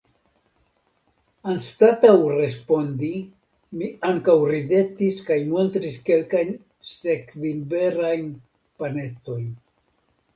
Anstataŭ respondi mi ankaŭ ridetis kaj montris kelkajn sekvinberajn panetojn.